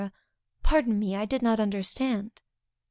_Pardon me, I did not understand.